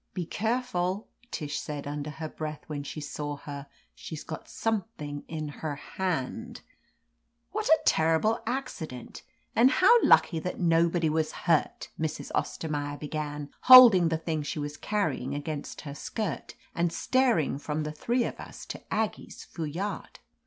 "Be careful," Tish said under her breath when she saw her ; "she's got something' in her hand !" "What a terrible accident, and how lucky 2IS ; ff A THE AMAZING ADVENTURES nobody was hurt!" Mrs. Ostennaier began, holding the thing she was carrying against her skirt and staring from the three of us to Aggie's foulard.